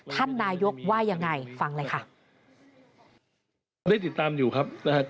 ท่านนายกว่ายังไงฟังเลยค่ะ